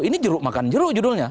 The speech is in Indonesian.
ini jeruk makan jeruk judulnya